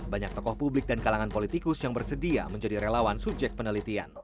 banyak tokoh publik dan kalangan politikus yang bersedia menjadi relawan subjek penelitian